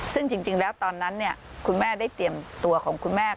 เพราะฉะนั้นเนี่ยคุณแม่ได้เตรียมตัวของคุณแม่